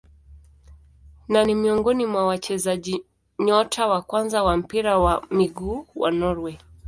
Na ni miongoni mwa wachezaji nyota wa kwanza wa mpira wa miguu wa Norway.